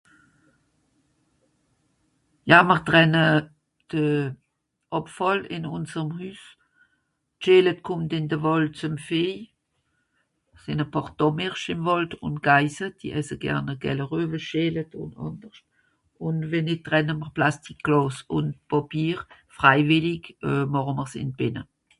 ja mr trenne de àbfàll ìn unserem hüss g'scheele kòmmt ìn de wàld zum feej sìn à paar dàmheersch ìm wàld ùn gaisse die esse gern ... reuve scheele ùn ànderscht ùn welli trennemr plastik glàss ùn pàpier freiwìllig màche mers ìn d'bìnne